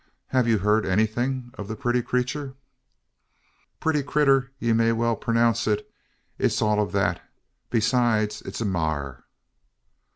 Have you heard anything of the pretty creature?" "Putty critter ye may well pernounce it. It ur all o' thet. Besides, it ur a maar."